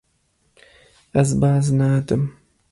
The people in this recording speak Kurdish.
Ez baz nadim.